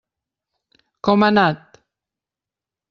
Com ha anat?